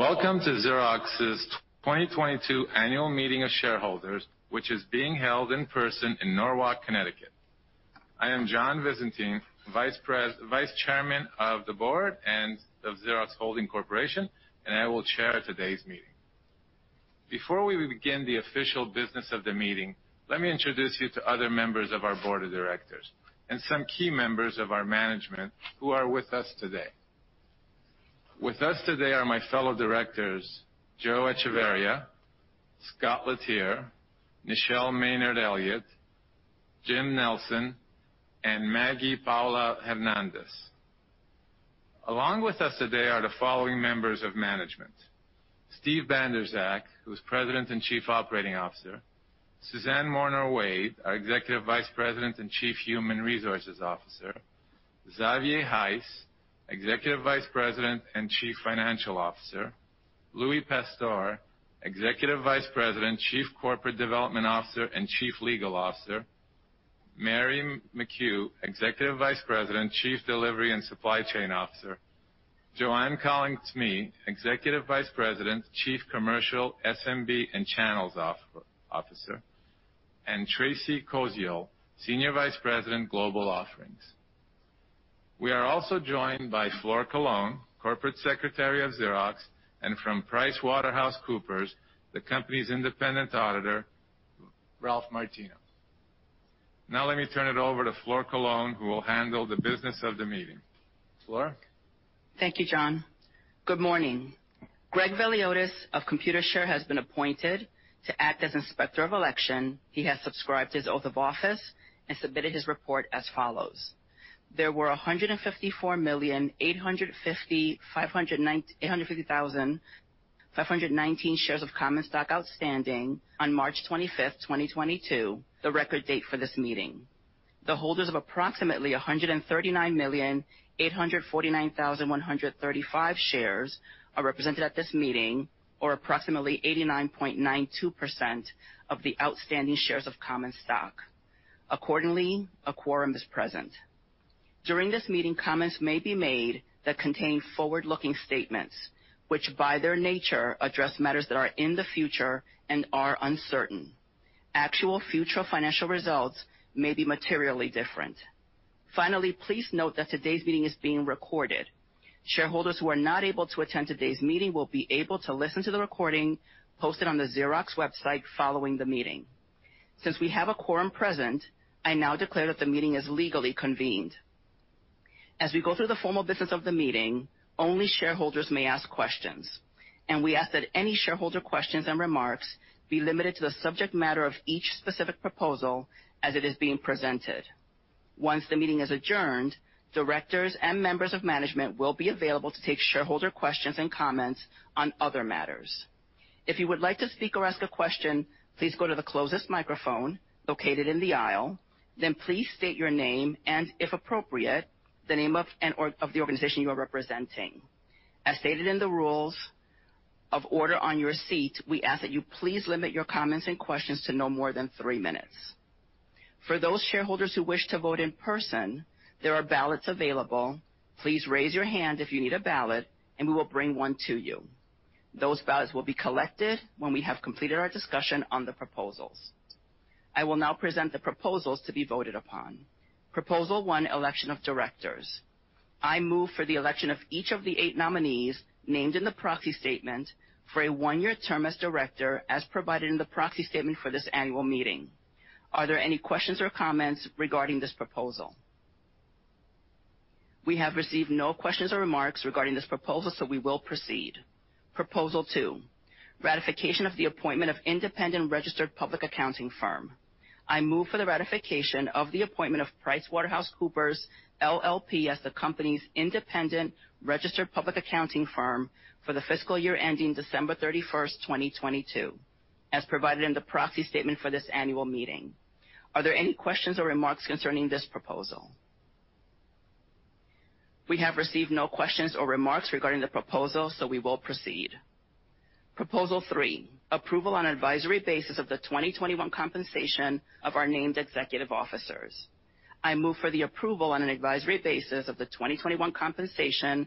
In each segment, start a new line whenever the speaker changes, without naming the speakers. Welcome to Xerox's 2022 annual meeting of shareholders, which is being held in person in Norwalk, Connecticut. I am John Visentin, Vice Chairman of the Board and of Xerox Holdings Corporation, and I will chair today's meeting. Before we begin the official business of the meeting, let me introduce you to other members of our board of directors and some key members of our management who are with us today. With us today are my fellow directors, Joe Echeverria, Scott Letier, Nichelle Maynard-Elliott, Jim Nelson, and Maggie Paláu-Hernández. Along with us today are the following members of management. Steve Bandrowczak, who's President and Chief Operating Officer. Suzanne Morno-Wade, our Executive Vice President and Chief Human Resources Officer. Xavier Heiss, Executive Vice President and Chief Financial Officer. Louie Pastor, Executive Vice President, Chief Corporate Development Officer, and Chief Legal Officer. Mary McHugh, Executive Vice President, Chief Delivery and Supply Chain Officer. Joanne Collins Smee, Executive Vice President, Chief Commercial SMB and Channels Officer, and Tracey Koziol, Senior Vice President, Global Offerings. We are also joined by Flor Colon, Corporate Secretary of Xerox, and from PricewaterhouseCoopers, the company's independent auditor, Ralph Martino. Now let me turn it over to Flor Colon, who will handle the business of the meeting. Flor?
Thank you, John. Good morning. Greg Veliotis of Computershare has been appointed to act as Inspector of Election. He has subscribed his oath of office and submitted his report as follows: There were 154 million, 850,519 shares of common stock outstanding on March 25, 2022, the record date for this meeting. The holders of approximately 139 million, 849,135 shares are represented at this meeting, or approximately 89.92% of the outstanding shares of common stock. Accordingly, a quorum is present. During this meeting, comments may be made that contain forward-looking statements which by their nature, address matters that are in the future and are uncertain. Actual future financial results may be materially different. Finally, please note that today's meeting is being recorded. Shareholders who are not able to attend today's meeting will be able to listen to the recording posted on the Xerox website following the meeting. Since we have a quorum present, I now declare that the meeting is legally convened. As we go through the formal business of the meeting, only shareholders may ask questions, and we ask that any shareholder questions and remarks be limited to the subject matter of each specific proposal as it is being presented. Once the meeting is adjourned, directors and members of management will be available to take shareholder questions and comments on other matters. If you would like to speak or ask a question, please go to the closest microphone located in the aisle. Then please state your name and, if appropriate, the name of the organization you are representing. As stated in the rules of order on your seat, we ask that you please limit your comments and questions to no more than three minutes. For those shareholders who wish to vote in person, there are ballots available. Please raise your hand if you need a ballot, and we will bring one to you. Those ballots will be collected when we have completed our discussion on the proposals. I will now present the proposals to be voted upon. Proposal one, election of directors. I move for the election of each of the eight nominees named in the proxy statement for a one-year term as director, as provided in the proxy statement for this annual meeting. Are there any questions or comments regarding this proposal? We have received no questions or remarks regarding this proposal, so we will proceed. Proposal two, ratification of the appointment of independent registered public accounting firm. I move for the ratification of the appointment of PricewaterhouseCoopers LLP as the company's independent registered public accounting firm for the fiscal year ending December 31, 2022, as provided in the proxy statement for this annual meeting. Are there any questions or remarks concerning this proposal? We have received no questions or remarks regarding the proposal. We will proceed. Proposal three, approval on advisory basis of the 2021 compensation of our named executive officers. I move for the approval on an advisory basis of the 2021 compensation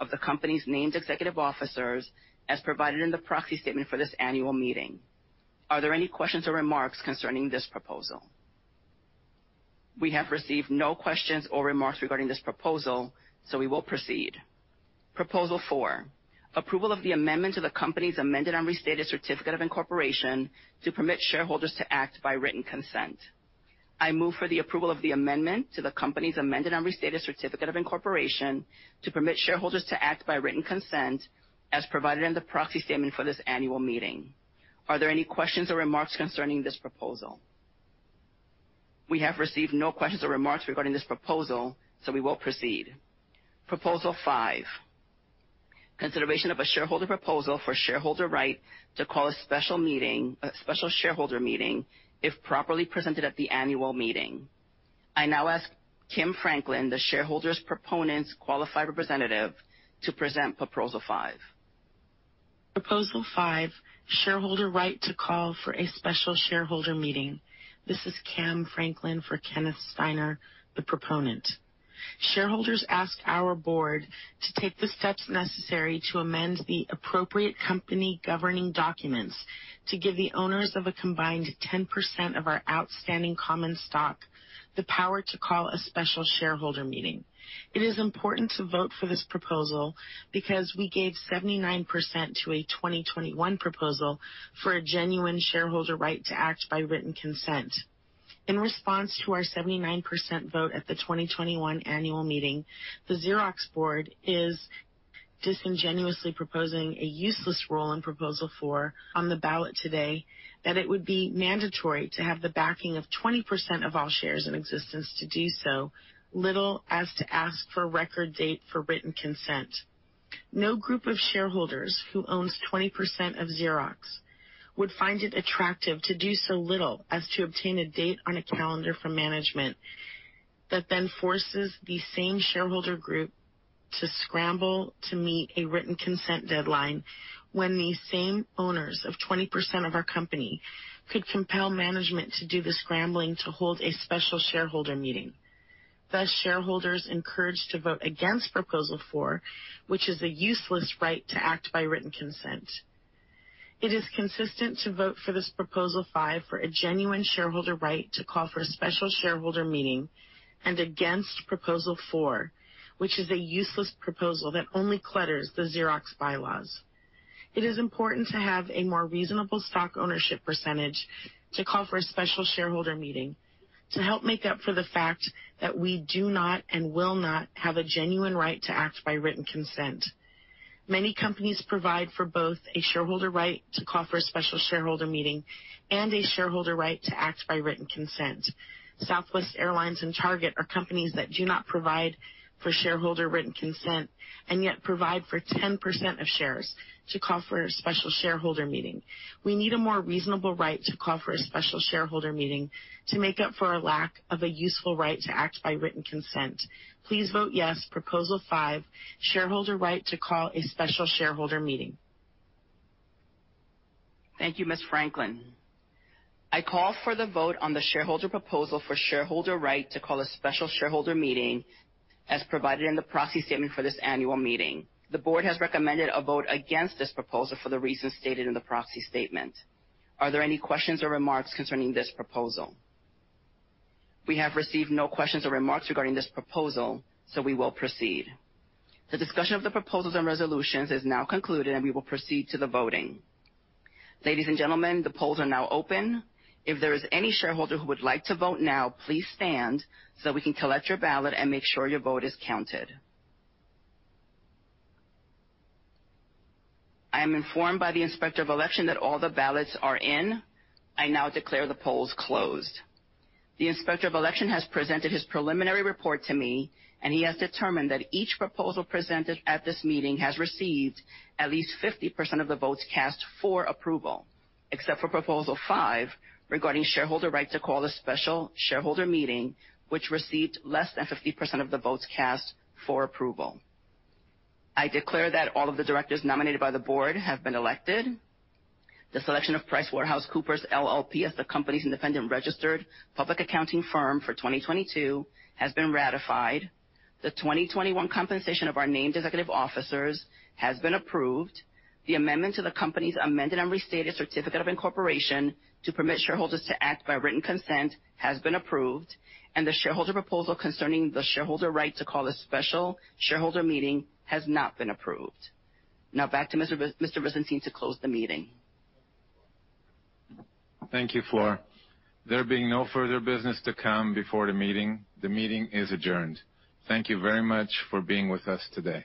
of the company's named executive officers, as provided in the proxy statement for this annual meeting. Are there any questions or remarks concerning this proposal? We have received no questions or remarks regarding this proposal. We will proceed. Proposal four, approval of the amendment to the company's amended and restated certificate of incorporation to permit shareholders to act by written consent. I move for the approval of the amendment to the company's amended and restated certificate of incorporation to permit shareholders to act by written consent as provided in the proxy statement for this annual meeting. Are there any questions or remarks concerning this proposal? We have received no questions or remarks regarding this proposal, so we will proceed. Proposal five, consideration of a shareholder proposal for shareholder right to call a special meeting, a special shareholder meeting if properly presented at the annual meeting. I now ask Kim Franklin, the shareholder proponent's qualified representative, to present proposal five.
Proposal five, shareholder right to call for a special shareholder meeting. This is Cam Franklin for Kenneth Steiner, the proponent. Shareholders ask our board to take the steps necessary to amend the appropriate company governing documents to give the owners of a combined 10% of our outstanding common stock the power to call a special shareholder meeting. It is important to vote for this proposal because we gave 79% to a 2021 proposal for a genuine shareholder right to act by written consent. In response to our 79% vote at the 2021 annual meeting, the Xerox board is disingenuously proposing a useless written proposal four on the ballot today that it would be mandatory to have the backing of 20% of all shares in existence to do so little as to ask for a record date for written consent. No group of shareholders who owns 20% of Xerox would find it attractive to do so little as to obtain a date on a calendar from management that then forces the same shareholder group to scramble to meet a written consent deadline when the same owners of 20% of our company could compel management to do the scrambling to hold a special shareholder meeting. Thus, shareholders encouraged to vote against Proposal Four, which is a useless right to act by written consent. It is consistent to vote for this Proposal Five for a genuine shareholder right to call for a special shareholder meeting and against Proposal Four, which is a useless proposal that only clutters the Xerox bylaws. It is important to have a more reasonable stock ownership percentage to call for a special shareholder meeting to help make up for the fact that we do not and will not have a genuine right to act by written consent. Many companies provide for both a shareholder right to call for a special shareholder meeting and a shareholder right to act by written consent. Southwest Airlines and Target are companies that do not provide for shareholder written consent and yet provide for 10% of shares to call for a special shareholder meeting. We need a more reasonable right to call for a special shareholder meeting to make up for our lack of a useful right to act by written consent. Please vote yes Proposal five, shareholder right to call a special shareholder meeting.
Thank you, Ms. Franklin. I call for the vote on the shareholder proposal for shareholder right to call a special shareholder meeting as provided in the proxy statement for this annual meeting. The board has recommended a vote against this proposal for the reasons stated in the proxy statement. Are there any questions or remarks concerning this proposal? We have received no questions or remarks regarding this proposal, so we will proceed. The discussion of the proposals and resolutions is now concluded, and we will proceed to the voting. Ladies and gentlemen, the polls are now open. If there is any shareholder who would like to vote now, please stand so we can collect your ballot and make sure your vote is counted. I am informed by the Inspector of Election that all the ballots are in. I now declare the polls closed. The Inspector of Election has presented his preliminary report to me, and he has determined that each proposal presented at this meeting has received at least 50% of the votes cast for approval. Except for Proposal five regarding shareholder right to call a special shareholder meeting, which received less than 50% of the votes cast for approval. I declare that all of the directors nominated by the board have been elected. The selection of PricewaterhouseCoopers LLP as the company's independent registered public accounting firm for 2022 has been ratified. The 2021 compensation of our named executive officers has been approved. The amendment to the company's amended and restated certificate of incorporation to permit shareholders to act by written consent has been approved. The shareholder proposal concerning the shareholder right to call a special shareholder meeting has not been approved. Now back to Mr. Veliotis. Visentin to close the meeting.
Thank you, Flora. There being no further business to come before the meeting, the meeting is adjourned. Thank you very much for being with us today.